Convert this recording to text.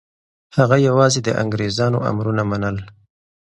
هغه یوازې د انګریزانو امرونه منل.